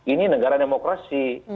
ini negara demokrasi